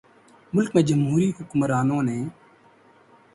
ملک میں جمہوری حکمرانوں نے